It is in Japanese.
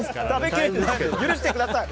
許してください！